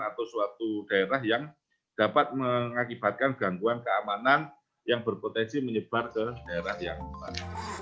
atau suatu daerah yang dapat mengakibatkan gangguan keamanan yang berpotensi menyebar ke daerah yang lain